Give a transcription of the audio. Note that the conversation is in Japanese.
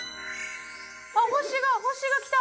あっ星が星がきた。